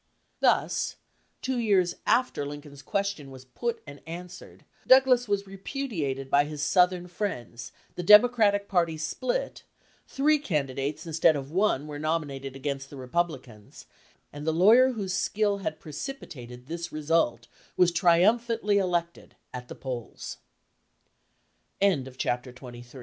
Thus two years after Lincoln's question was put and answered Douglas was repudiated by his Southern friends, the Democratic party was split, three candidates instead of one were nominated against the Republicans, and the lawyer whose skill had precipitated this result was trium phantly e